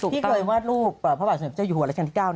ที่เคยวาดรูปพระบาทสมเด็จเจ้าอยู่หัวรัชกาลที่๙